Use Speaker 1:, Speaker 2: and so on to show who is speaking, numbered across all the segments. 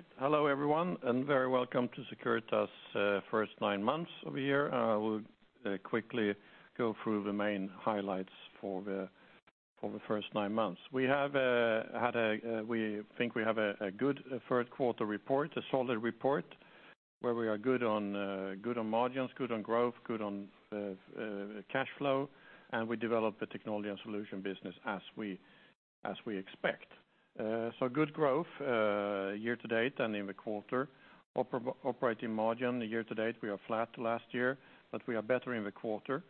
Speaker 1: Right. Hello everyone and very welcome to Securitas' first nine months over here. I will quickly go through the main highlights for the first nine months. We have had, we think, a good third quarter report, a solid report where we are good on margins, good on growth, good on cash flow, and we developed the technology and solution business as we expect. So good growth year-to-date and in the quarter. Operating margin year-to-date we are flat to last year, but we are better in the quarter,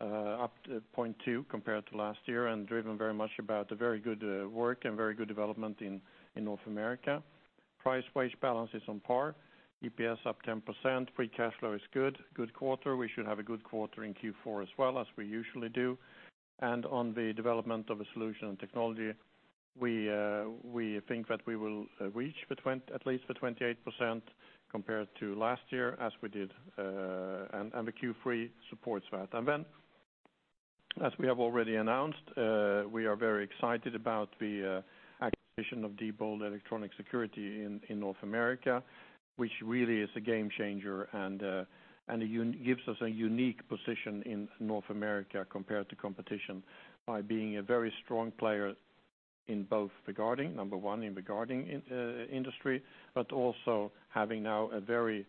Speaker 1: up 0.2 compared to last year and driven very much by very good work and very good development in North America. Price-wage balance is on par. EPS up 10%. Free cash flow is good. Good quarter. We should have a good quarter in Q4 as well as we usually do. On the development of a solution and technology, we think that we will reach at least 28% compared to last year as we did, and the Q3 supports that. As we have already announced, we are very excited about the acquisition of Diebold Electronic Security in North America, which really is a game changer and gives us a unique position in North America compared to competition by being a very strong player in both guarding number one in guarding industry but also having now a very,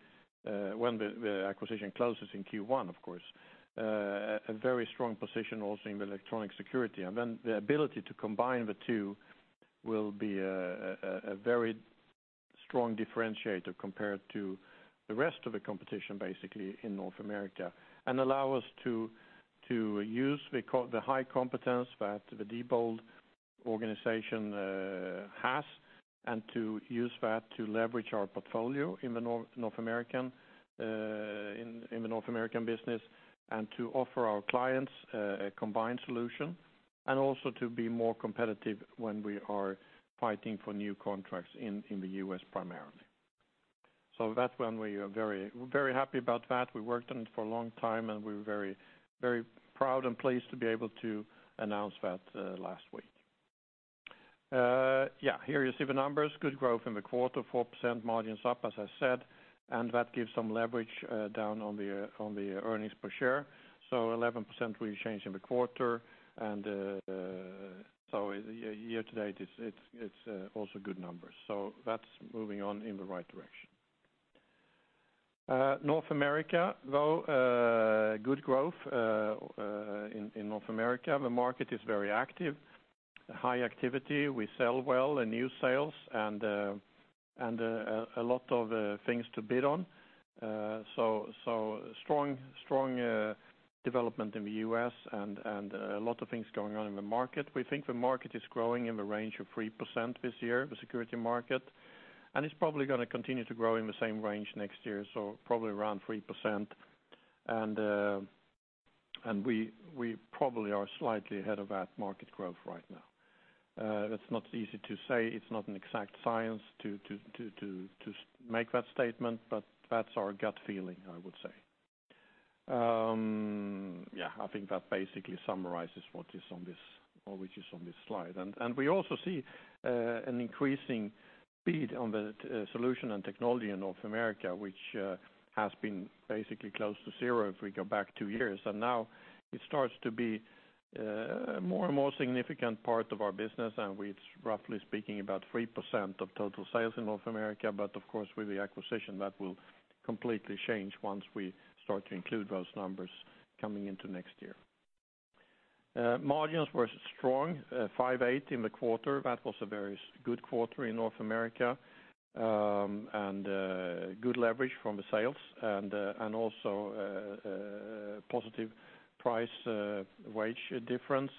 Speaker 1: when the acquisition closes in Q1, of course, a very strong position also in the electronic security. Then the ability to combine the two will be a very strong differentiator compared to the rest of the competition basically in North America and allow us to use the high competence that the Diebold organization has and to use that to leverage our portfolio in the North American in the North American business and to offer our clients a combined solution and also to be more competitive when we are fighting for new contracts in the U.S. primarily. So that's when we are very very happy about that. We worked on it for a long time and we were very very proud and pleased to be able to announce that last week. Yeah here you see the numbers. Good growth in the quarter, 4% margins up as I said and that gives some leverage down on the earnings per share. So 11% real change in the quarter and so year to date it's also good numbers. So that's moving on in the right direction. North America though good growth in North America. The market is very active. High activity. We sell well and new sales and a lot of things to bid on. So strong strong development in the U.S. and a lot of things going on in the market. We think the market is growing in the range of 3% this year the security market and it's probably going to continue to grow in the same range next year so probably around 3%. And we probably are slightly ahead of that market growth right now. It's not easy to say. It's not an exact science to make that statement but that's our gut feeling I would say. Yeah, I think that basically summarizes what is on this or which is on this slide. We also see an increasing speed on the solution and technology in North America, which has been basically close to zero if we go back two years, and now it starts to be a more and more significant part of our business, and it's roughly speaking about 3% of total sales in North America. But of course with the acquisition that will completely change once we start to include those numbers coming into next year. Margins were strong 5.8 in the quarter. That was a very good quarter in North America and good leverage from the sales and also positive price wage difference.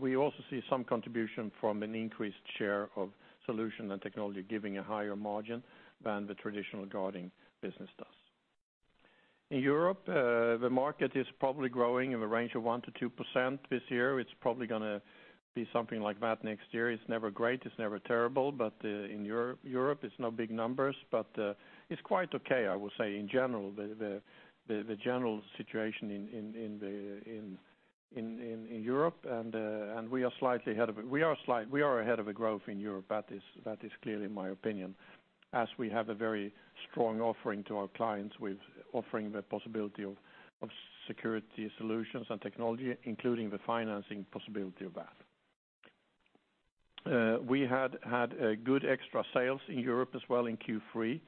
Speaker 1: We also see some contribution from an increased share of solution and technology giving a higher margin than the traditional guarding business does. In Europe, the market is probably growing in the range of 1% to 2% this year. It's probably going to be something like that next year. It's never great. It's never terrible. But in Europe, it's no big numbers, but it's quite okay, I would say, in general, the general situation in Europe, and we are slightly ahead of the growth in Europe. That is clearly my opinion as we have a very strong offering to our clients with offering the possibility of security solutions and technology, including the financing possibility of that. We had good extra sales in Europe as well in Q3.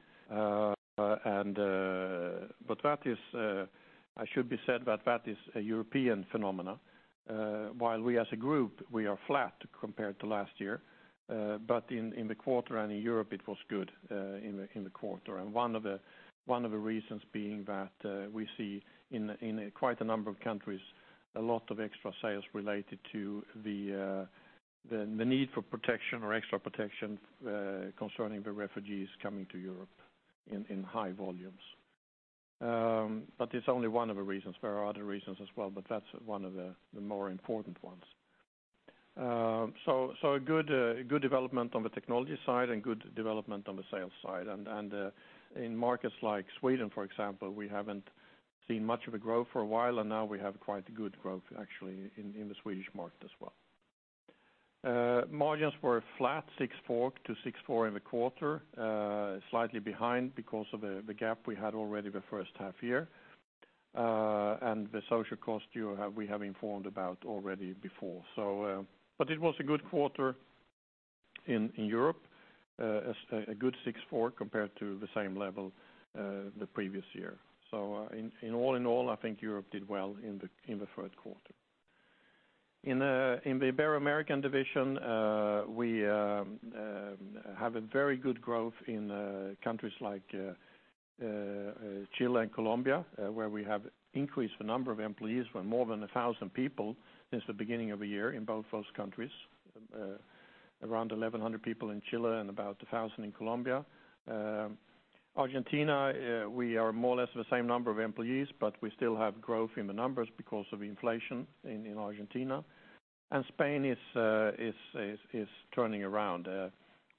Speaker 1: But that is, I should say, a European phenomenon while we as a group are flat compared to last year. But in the quarter, in Europe, it was good in the quarter, and one of the reasons being that we see in quite a number of countries a lot of extra sales related to the need for protection or extra protection concerning the refugees coming to Europe in high volumes. But it's only one of the reasons. There are other reasons as well, but that's one of the more important ones. So good development on the technology side and good development on the sales side. And in markets like Sweden, for example, we haven't seen much of a growth for a while, and now we have quite good growth actually in the Swedish market as well. Margins were flat 6.4%-6.4% in the quarter, slightly behind because of the gap we had already the first half year and the social cost you have we have informed about already before. So but it was a good quarter in Europe, a good 6.4% compared to the same level the previous year. So in all in all I think Europe did well in the third quarter. In the Latin American division we have a very good growth in countries like Chile and Colombia where we have increased the number of employees with more than 1,000 people since the beginning of the year in both those countries around 1,100 people in Chile and about 1,000 in Colombia. Argentina, we are more or less the same number of employees, but we still have growth in the numbers because of inflation in Argentina, and Spain is turning around.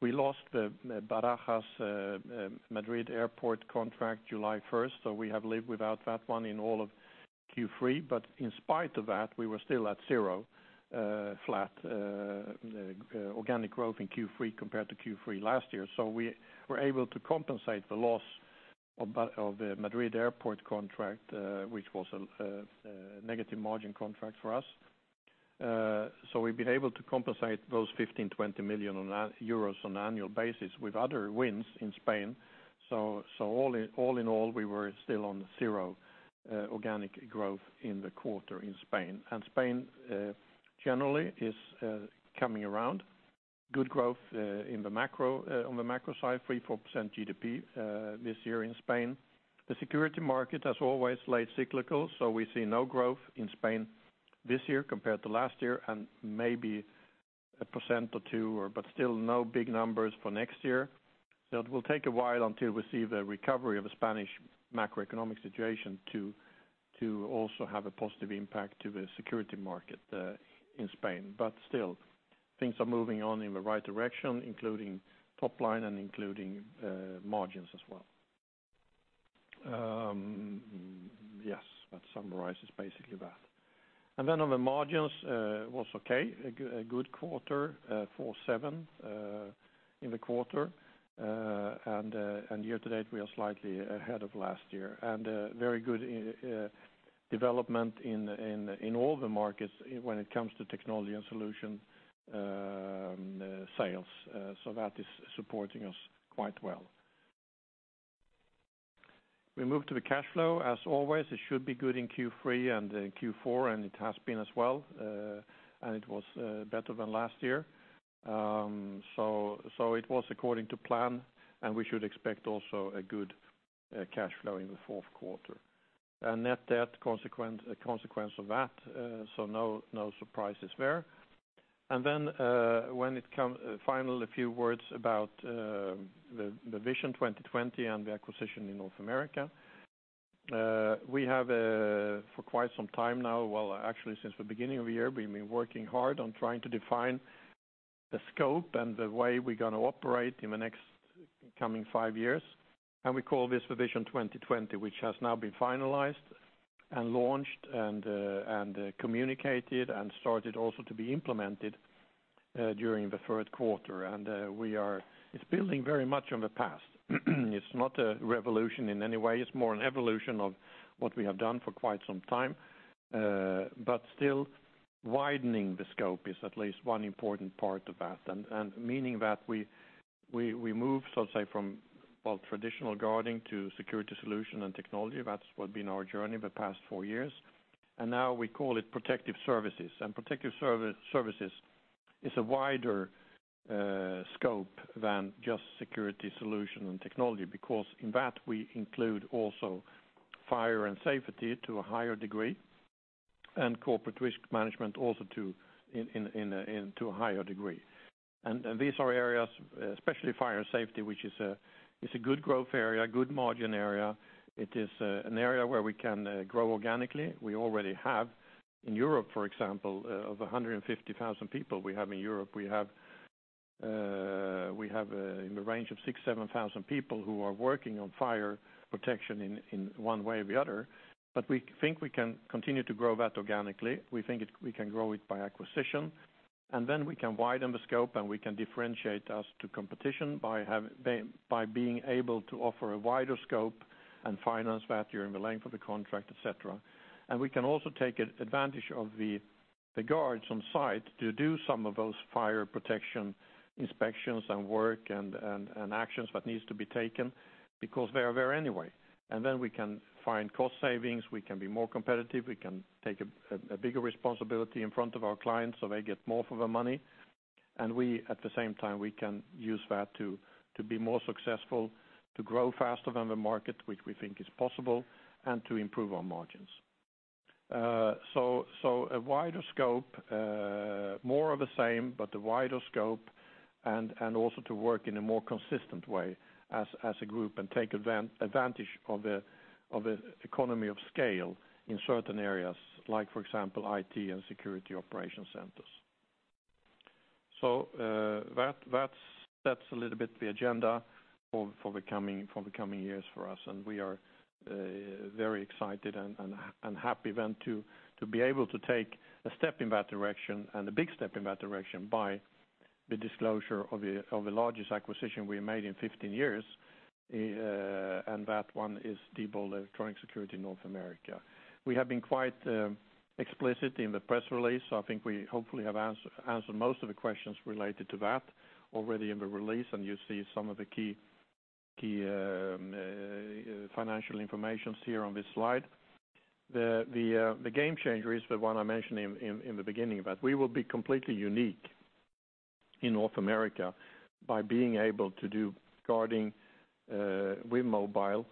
Speaker 1: We lost the Barajas Madrid Airport contract July 1, so we have lived without that one in all of Q3. But in spite of that, we were still at zero flat organic growth in Q3 compared to Q3 last year. So we were able to compensate the loss of Madrid airport contract, which was a negative margin contract for us. So we've been able to compensate those 15 to 20 million on an annual basis with other wins in Spain. So all in all, we were still on zero organic growth in the quarter in Spain. And Spain generally is coming around. Good growth in the macro on the macro side, 3% to 4% GDP this year in Spain. The security market, as always, late cyclical, so we see no growth in Spain this year compared to last year and maybe 1% to 2% but still no big numbers for next year. It will take a while until we see the recovery of the Spanish macroeconomic situation to also have a positive impact to the security market in Spain. Still things are moving on in the right direction including top line and including margins as well. Yes, that summarizes basically that. Then on the margins it was okay. A good 4.7% in the quarter and year-to-date we are slightly ahead of last year and very good development in all the markets when it comes to technology and solution sales. That is supporting us quite well. We move to the cash flow as always. It should be good in Q3 and Q4 and it has been as well and it was better than last year. So it was according to plan and we should expect also a good cash flow in the fourth quarter and net debt, consequently, a consequence of that. So no surprises there. And then, when it comes, finally a few words about the Vision 2020 and the acquisition in North America. We have for quite some time now, well, actually, since the beginning of the year, we've been working hard on trying to define the scope and the way we're going to operate in the next coming five years. And we call this the Vision 2020, which has now been finalized and launched and communicated and started also to be implemented during the third quarter. And we are, it's building very much on the past. It's not a revolution in any way. It's more an evolution of what we have done for quite some time. But still widening the scope is at least one important part of that and meaning that we move so to say from traditional guarding to security solution and technology. That's what's been our journey the past four years. And now we call it Protective Services and Protective Services is a wider scope than just security solution and technology because in that we include also fire and safety to a higher degree and corporate risk management also too to a higher degree. And these are areas especially fire safety which is a good growth area good margin area. It is an area where we can grow organically. We already have in Europe, for example, 150,000 people. We have in the range of 6,000-7,000 people who are working on fire protection in one way or the other. But we think we can continue to grow that organically. We think we can grow it by acquisition, and then we can widen the scope, and we can differentiate us to competition by being able to offer a wider scope and finance that during the length of the contract, et cetera. And we can also take advantage of the guards on site to do some of those fire protection inspections and work and actions that needs to be taken because they are there anyway. And then we can find cost savings. We can be more competitive. We can take a bigger responsibility in front of our clients so they get more for their money. And at the same time we can use that to be more successful to grow faster than the market which we think is possible and to improve our margins. So a wider scope more of the same but the wider scope and also to work in a more consistent way as a group and take advantage of the economy of scale in certain areas like for example IT and security operations centers. So that's a little bit the agenda for the coming years for us. We are very excited and happy then to be able to take a step in that direction and a big step in that direction by the disclosure of the largest acquisition we made in 15 years and that one is Diebold Electronic Security North America. We have been quite explicit in the press release so I think we hopefully have answered most of the questions related to that already in the release and you see some of the key key financial information here on this slide. The game changer is the one I mentioned in the beginning that we will be completely unique in North America by being able to do guarding with mobile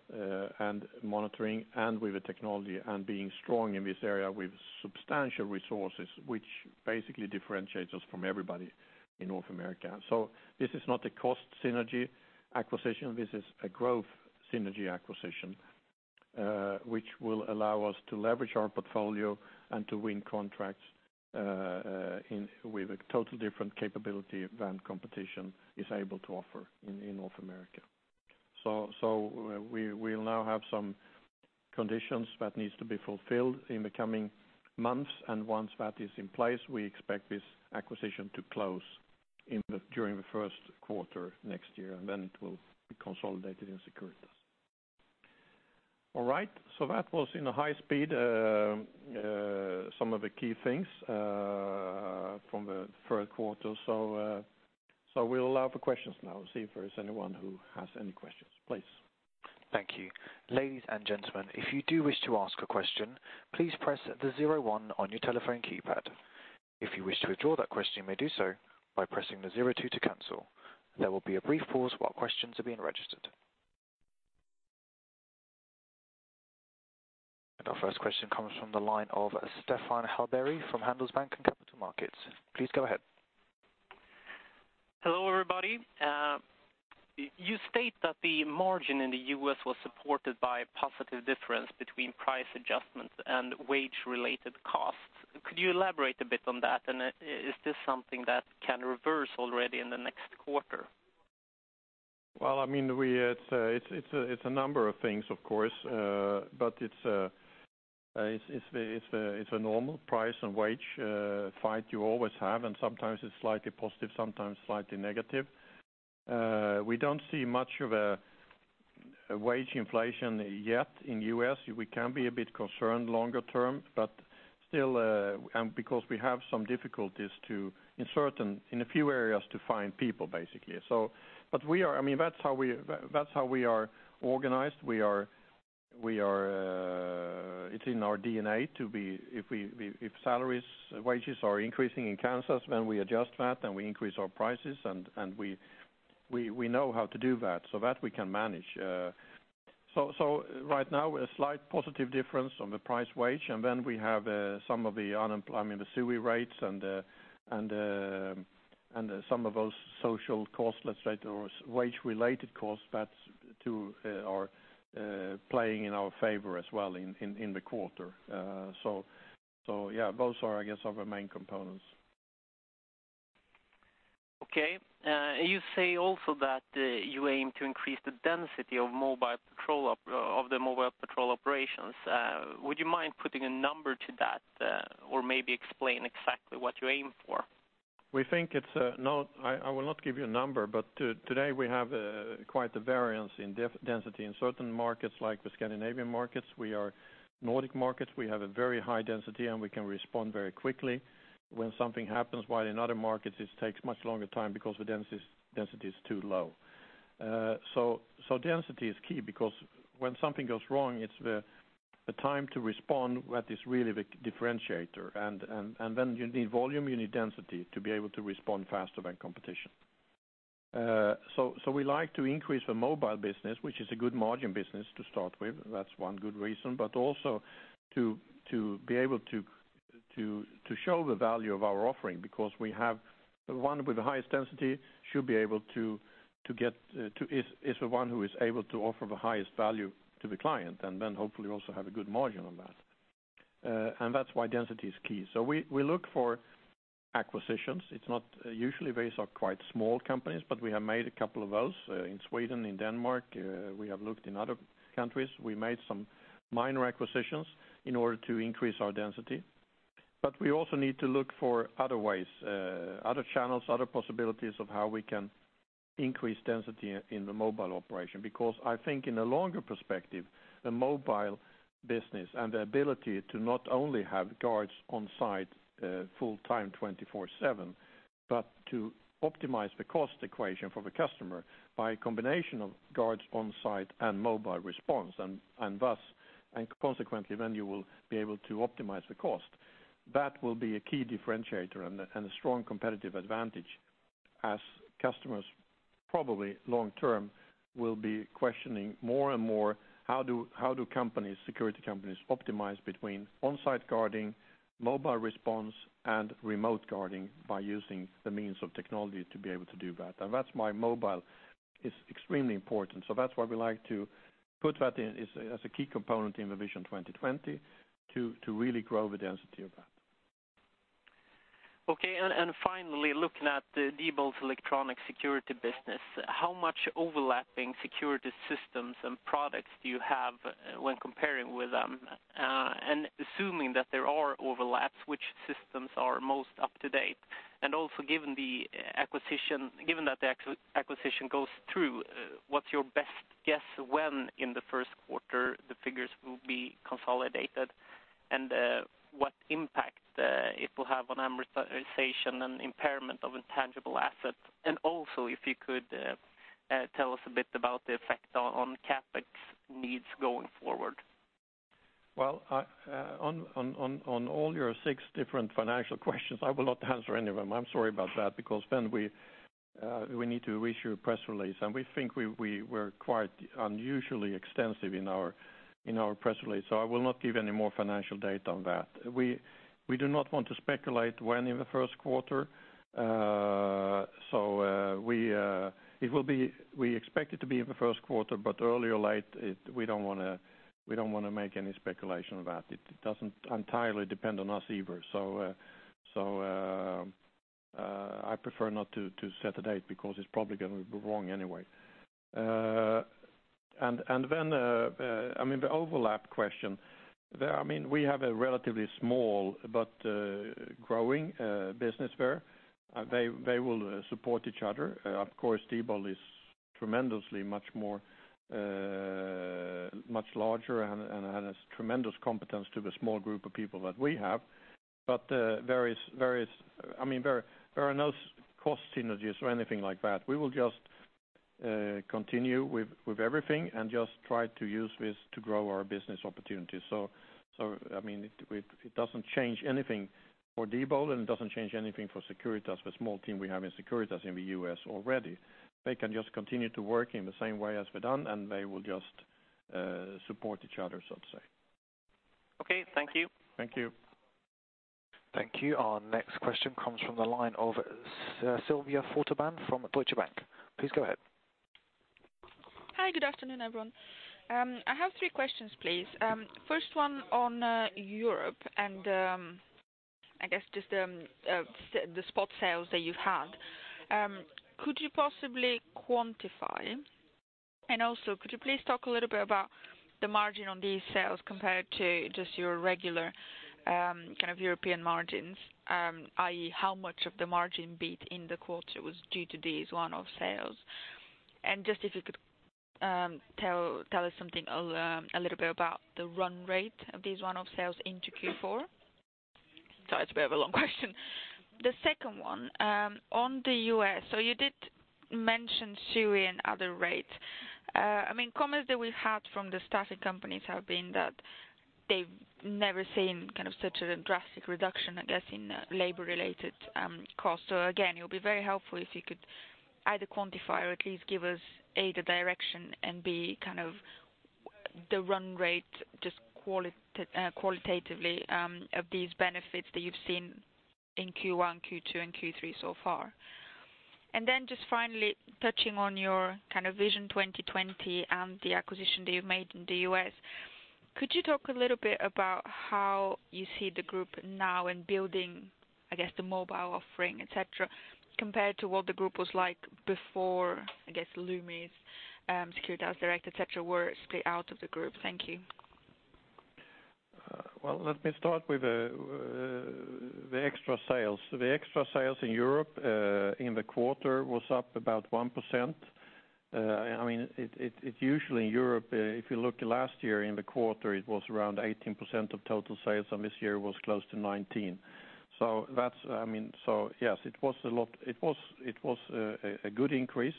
Speaker 1: and monitoring and with the technology and being strong in this area with substantial resources which basically differentiates us from everybody in North America. So this is not a cost synergy acquisition. This is a growth synergy acquisition which will allow us to leverage our portfolio and to win contracts with a total different capability than competition is able to offer in North America. So we will now have some conditions that needs to be fulfilled in the coming months and once that is in place we expect this acquisition to close during the first quarter next year and then it will be consolidated in Securitas. All right. So that was in a high speed some of the key things from the third quarter. So we'll allow for questions now and see if there is anyone who has any questions please.
Speaker 2: Thank you. Ladies and gentlemen, if you do wish to ask a question, please press the zero one on your telephone keypad. If you wish to withdraw that question, you may do so by pressing the zero two to cancel. There will be a brief pause while questions are being registered. Our first question comes from the line of Staffan Åberg from Handelsbanken Capital Markets. Please go ahead.
Speaker 3: Hello, everybody. You state that the margin in the U.S. was supported by a positive difference between price adjustments and wage-related costs. Could you elaborate a bit on that, and is this something that can reverse already in the next quarter?
Speaker 1: Well, I mean, it's a number of things, of course, but it's a normal price and wage fight you always have, and sometimes it's slightly positive, sometimes slightly negative. We don't see much of a wage inflation yet in the U.S. We can be a bit concerned longer term, but still, because we have some difficulties in certain areas to find people, basically. But we are, I mean, that's how we are organized. It's in our DNA to be if salaries wages are increasing in Kansas, then we adjust that and we increase our prices, and we know how to do that so that we can manage. So, right now, a slight positive difference on the price wage, and then we have some of the unemployment, the SUI rates, and some of those social costs, let's say, or wage-related costs. That's too are playing in our favor as well in the quarter. So, yeah, those are, I guess, our main components.
Speaker 3: Okay. You say also that you aim to increase the density of mobile patrol of the mobile patrol operations. Would you mind putting a number to that or maybe explain exactly what you aim for?
Speaker 1: We think it's no, I will not give you a number, but today we have quite the variance in density in certain markets like the Scandinavian markets. We are Nordic markets. We have a very high density and we can respond very quickly when something happens while in other markets it takes much longer time because the density is too low. So density is key because when something goes wrong it's the time to respond that is really the differentiator and then you need volume you need density to be able to respond faster than competition. So we like to increase the mobile business, which is a good margin business to start with. That's one good reason, but also to be able to show the value of our offering because we have the one with the highest density should be able to get to is the one who is able to offer the highest value to the client, and then hopefully also have a good margin on that. That's why density is key. We look for acquisitions. It's not usually. These are quite small companies, but we have made a couple of those in Sweden in Denmark. We have looked in other countries. We made some minor acquisitions in order to increase our density. But we also need to look for other ways, other channels, other possibilities of how we can increase density in the mobile operation because I think in a longer perspective the mobile business and the ability to not only have guards on site full time 24/7 but to optimize the cost equation for the customer by a combination of guards on site and mobile response and thus and consequently then you will be able to optimize the cost. That will be a key differentiator and a strong competitive advantage as customers probably long term will be questioning more and more how do how do companies security companies optimize between on site guarding, mobile response, and remote guarding by using the means of technology to be able to do that. And that's why mobile is extremely important. That's why we like to put that in as a key component in the Vision 2020 to really grow the density of that.
Speaker 3: Okay. And finally, looking at the Diebold Electronic Security business, how much overlapping security systems and products do you have when comparing with them, and assuming that there are overlaps, which systems are most up to date? And also, given the acquisition, given that the acquisition goes through, what's your best guess when in the first quarter the figures will be consolidated, and what impact it will have on amortization and impairment of intangible assets? Also, if you could tell us a bit about the effect on CapEx needs going forward.
Speaker 1: Well, on all your six different financial questions, I will not answer any of them. I'm sorry about that because then we need to issue a press release and we think we were quite unusually extensive in our press release, so I will not give any more financial data on that. We do not want to speculate when in the first quarter. So we expect it to be in the first quarter but earlier or late we don't want to make any speculation on that. It doesn't entirely depend on us either. So I prefer not to set a date because it's probably going to be wrong anyway. And then I mean the overlap question there I mean we have a relatively small but growing business there. They will support each other. Of course Diebold is tremendously much more much larger and has tremendous competence to the small group of people that we have. But there is very I mean there are no cost synergies or anything like that. We will just continue with everything and just try to use this to grow our business opportunities. So I mean it doesn't change anything for Diebold and it doesn't change anything for Securitas the small team we have in Securitas in the U.S. already. They can just continue to work in the same way as we've done and they will just support each other so to say.
Speaker 3: Okay. Thank you.
Speaker 1: Thank you.
Speaker 2: Thank you. Our next question comes from the line of Sylvia Barker from Deutsche Bank. Please go ahead.
Speaker 4: Hi, good afternoon, everyone. I have three questions, please. First one on Europe, and I guess just the spot sales that you've had. Could you possibly quantify, and also could you please talk a little bit about the margin on these sales compared to just your regular kind of European margins? I.e., how much of the margin beat in the quarter was due to these one-off sales? And just if you could tell us something a little bit about the run rate of these one-off sales into Q4. Sorry, it's a bit of a long question. The second one on the U.S., so you did mention SUI and other rates. I mean, comments that we've had from the staffing companies have been that they've never seen kind of such a drastic reduction, I guess, in labor-related costs. So again it would be very helpful if you could either quantify or at least give us the direction and be kind of the run rate just qualitatively of these benefits that you've seen in Q1, Q2 and Q3 so far. And then just finally touching on your kind of Vision 2020 and the acquisition that you've made in the U.S. could you talk a little bit about how you see the group now in building I guess the mobile offering et cetera compared to what the group was like before I guess Loomis, Securitas Direct et cetera were split out of the group. Thank you.
Speaker 1: Well, let me start with the extra sales. The extra sales in Europe in the quarter was up about 1%. I mean it usually in Europe if you look last year in the quarter it was around 18% of total sales and this year was close to 19. So that's I mean so yes it was a lot it was a good increase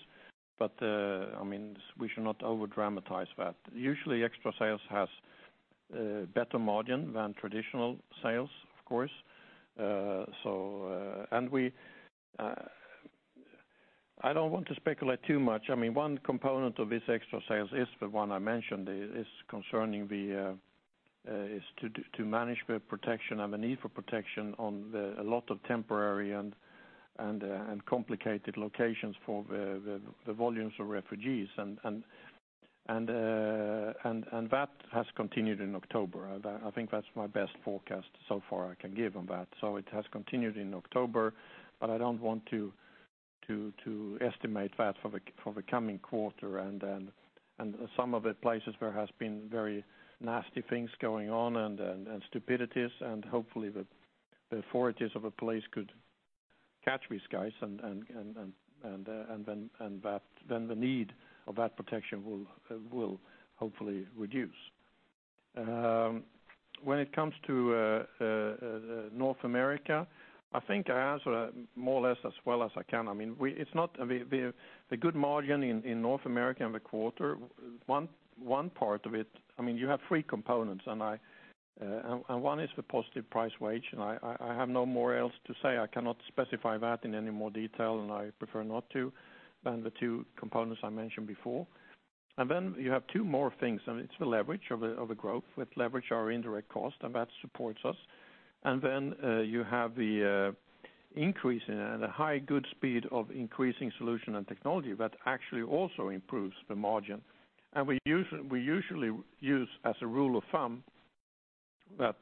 Speaker 1: but I mean we should not over dramatize that. Usually extra sales has better margin than traditional sales of course. So and we I don't want to speculate too much. I mean one component of this extra sales is the one I mentioned is concerning the is to manage the protection and the need for protection on a lot of temporary and complicated locations for the volumes of refugees. And that has continued in October. I think that's my best forecast so far I can give on that. So it has continued in October, but I don't want to estimate that for the coming quarter, and some of the places where has been very nasty things going on and stupidities, and hopefully the authorities of a place could catch these guys, and then that then the need of that protection will hopefully reduce. When it comes to North America, I think I answer more or less as well as I can. I mean, it's not the good margin in North America in the quarter. One part of it, I mean, you have three components, and one is the positive price wage, and I have no more else to say. I cannot specify that in any more detail, and I prefer not to than the two components I mentioned before. And then you have two more things and it's the leverage of the growth with leverage our indirect cost and that supports us. And then you have the increase in a high good speed of increasing solution and technology that actually also improves the margin. And we usually use as a rule of thumb that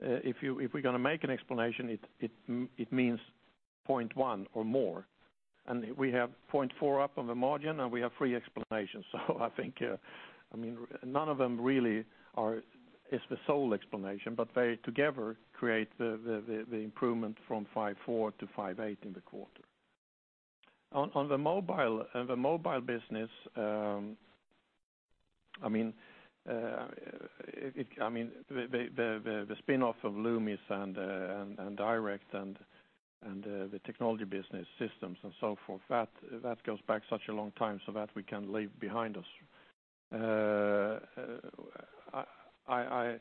Speaker 1: if we're going to make an explanation it means 0.1 or more. And we have 0.4 up on the margin and we have three explanations. So I think I mean none of them really are is the sole explanation but they together create the improvement from 5.4% to 5.8% in the quarter. On the mobile business I mean I mean the spin off of Loomis and Direct and the technology business systems and so forth that goes back such a long time so that we can leave behind us. I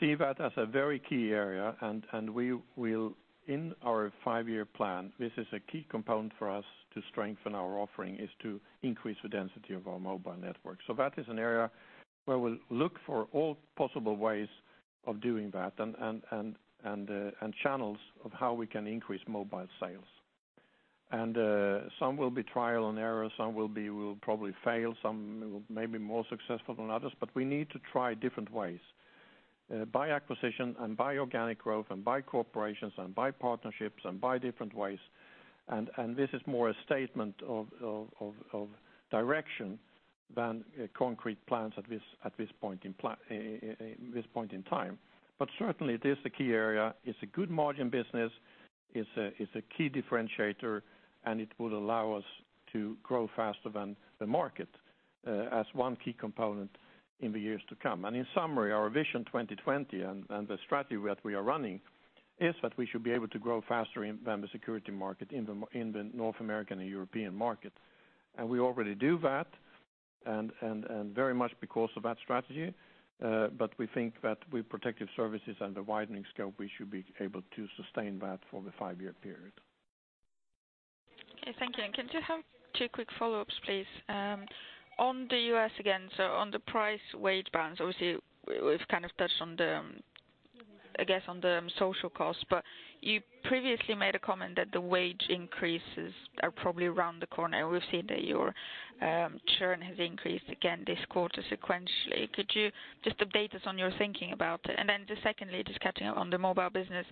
Speaker 1: see that as a very key area, and we will, in our five-year plan, [make] this a key component for us to strengthen our offering: to increase the density of our mobile network. So that is an area where we'll look for all possible ways of doing that and channels of how we can increase mobile sales. And some will be trial and error. Some will be we'll probably fail. Some may be more successful than others, but we need to try different ways by acquisition and by organic growth and by corporations and by partnerships and by different ways. And this is more a statement of direction than concrete plans at this point in this point in time. But certainly it is the key area. It's a good-margin business. It's a key differentiator and it would allow us to grow faster than the market as one key component in the years to come. In summary our Vision 2020 and the strategy that we are running is that we should be able to grow faster than the security market in the North American and European market. We already do that and very much because of that strategy. But we think that with Protective Services and the widening scope we should be able to sustain that for the five-year period.
Speaker 4: Okay. Thank you. And can you have two quick follow-ups please? On the U.S. again, so on the price-wage balance, obviously we've kind of touched on the, I guess, on the social costs, but you previously made a comment that the wage increases are probably around the corner. We've seen that your churn has increased again this quarter sequentially. Could you just update us on your thinking about it? And then just secondly, just catching up on the mobile business,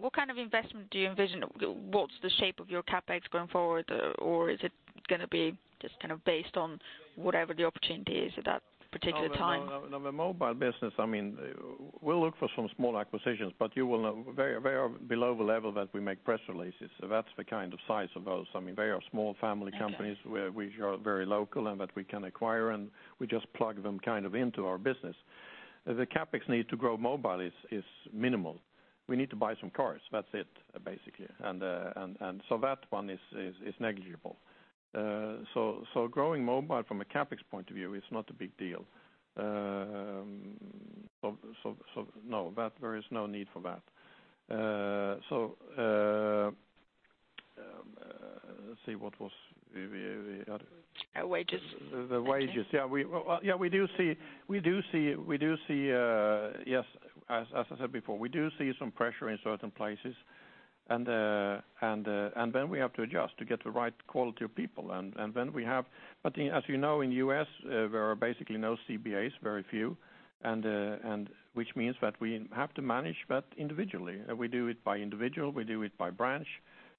Speaker 4: what kind of investment do you envision? What's the shape of your CapEx going forward, or is it going to be just kind of based on whatever the opportunity is at that particular time?
Speaker 1: Now, the mobile business—I mean, we'll look for some small acquisitions, but you will know well below the level that we make press releases. So that's the kind of size of those. I mean very small family companies which are very local and that we can acquire and we just plug them kind of into our business. The CapEx needed to grow mobile is minimal. We need to buy some cars. That's it basically. And so that one is negligible. So growing mobile from a CapEx point of view is not a big deal. So no, there is no need for that. So let's see what was.
Speaker 4: Wages.
Speaker 1: The wages. Yeah, we do see we do see we do see yes, as I said before, we do see some pressure in certain places, and then we have to adjust to get the right quality of people. And then we have, but as you know in the U.S. there are basically no CBAs, very few, and which means that we have to manage that individually. We do it by individual. We do it by branch.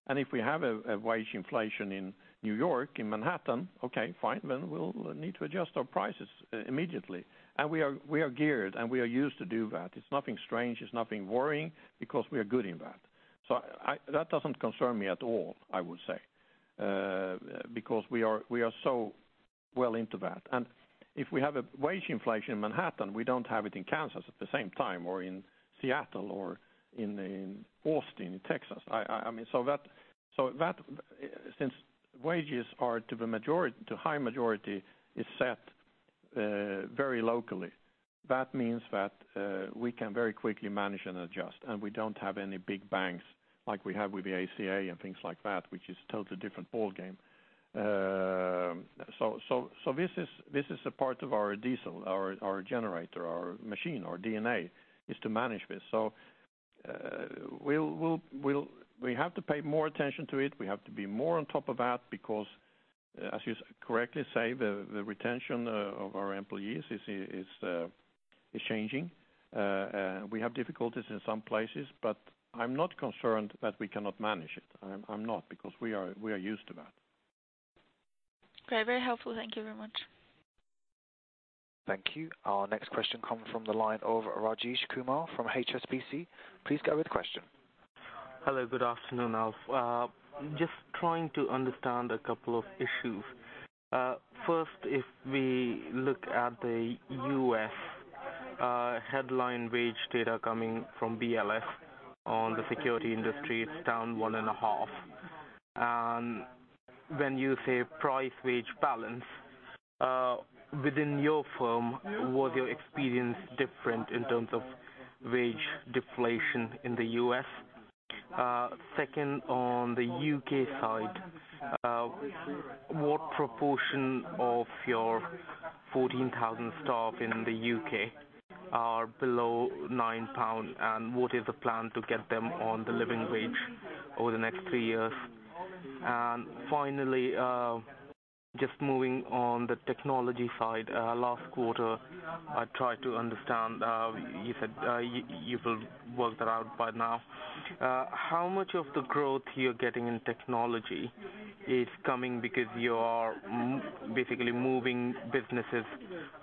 Speaker 1: And if we have a wage inflation in New York in Manhattan, okay, fine, then we'll need to adjust our prices immediately. And we are geared and we are used to do that. It's nothing strange. It's nothing worrying because we are good in that. So that doesn't concern me at all, I would say, because we are so well into that. If we have a wage inflation in Manhattan, we don't have it in Kansas at the same time or in Seattle or in Austin in Texas. I mean, so that since wages are to the majority, to high majority, is set very locally, that means that we can very quickly manage and adjust, and we don't have any big bangs like we have with the ACA and things like that, which is totally different ball game. So this is a part of our DNA is to manage this. So we'll we have to pay more attention to it. We have to be more on top of that because, as you correctly say, the retention of our employees is changing. We have difficulties in some places, but I'm not concerned that we cannot manage it. I'm not because we are used to that.
Speaker 4: Very helpful. Thank you very much.
Speaker 2: Thank you. Our next question comes from the line of Rajesh Kumar from HSBC. Please go with the question.
Speaker 5: Hello, good afternoon, Alf. Just trying to understand a couple of issues. First, if we look at the U.S. headline wage data coming from BLS on the security industry, it's down 1.5. And when you say price wage balance within your firm, was your experience different in terms of wage deflation in the U.S.? Second, on the U.K. side, what proportion of your 14,000 staff in the U.K. are below 9 pounds, and what is the plan to get them on the living wage over the next three years? And finally, just moving on the technology side, last quarter I tried to understand; you said you will work that out by now. How much of the growth you're getting in technology is coming because you are basically moving businesses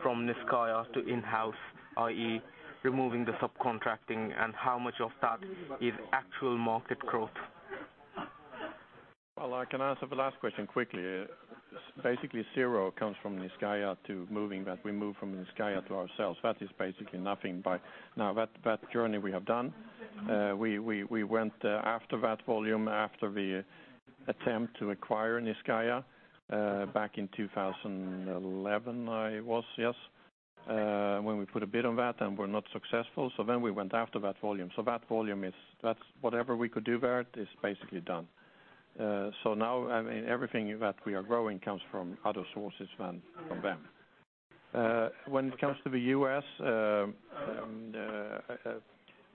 Speaker 5: from Niscayah to in-house, i.e., removing the subcontracting, and how much of that is actual market growth?
Speaker 1: Well, I can answer the last question quickly. Basically zero comes from Niscayah to moving that we move from Niscayah to ourselves. That is basically nothing by now that journey we have done. We went after that volume after the attempt to acquire Niscayah back in 2011. I was, yes, when we put a bid on that and were not successful. So then we went after that volume. So that volume is whatever we could do there is basically done. So now everything that we are growing comes from other sources than from them. When it comes to the U.S.,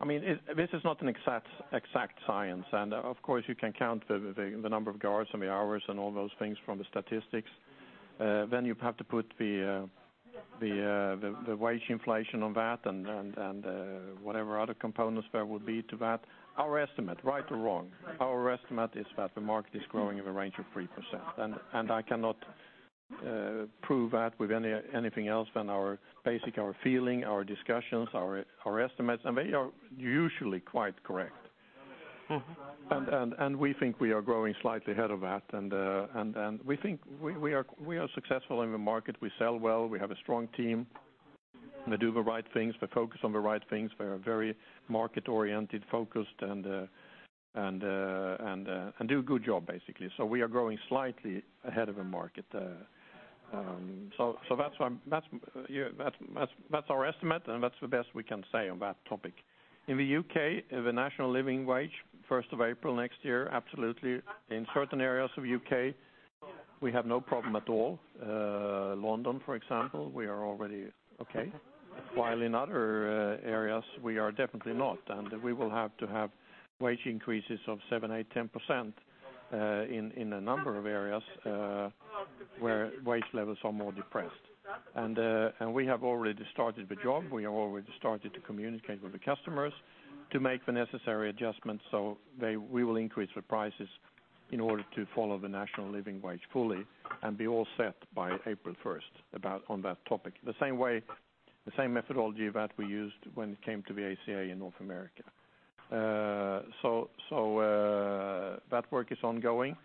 Speaker 1: I mean this is not an exact science and of course you can count the number of guards and the hours and all those things from the statistics. Then you have to put the wage inflation on that and whatever other components there would be to that. Our estimate, right or wrong, our estimate is that the market is growing in the range of 3%. I cannot prove that with anything else than our basic our feeling our discussions our estimates, and they are usually quite correct. We think we are growing slightly ahead of that, and we think we are successful in the market. We sell well. We have a strong team. We do the right things. We focus on the right things. We are very market oriented focused and do a good job basically. So we are growing slightly ahead of the market. So that's our estimate, and that's the best we can say on that topic. In the U.K., the National Living Wage first of April next year, absolutely. In certain areas of the U.K., we have no problem at all. London, for example, we are already okay. While in other areas we are definitely not and we will have to have wage increases of 7%-10% in a number of areas where wage levels are more depressed. We have already started the job. We have already started to communicate with the customers to make the necessary adjustments so we will increase the prices in order to follow the National Living Wage fully and be all set by April first about on that topic. The same way the same methodology that we used when it came to the ACA in North America. So that work is ongoing.